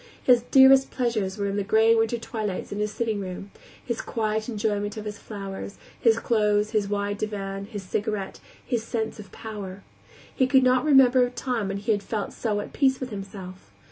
His dearest pleasures were the gray winter twilights in his sitting room; his quiet enjoyment of his flowers, his clothes, his wide divan, his cigarette, and his sense of power. He could not remember a time when he had felt so at peace with himself.